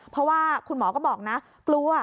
เพราะว่าคุณหมอก็บอกนะกลัว